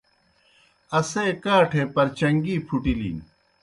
اسے کاٹھے پرچن٘گی پُھٹِلِن۔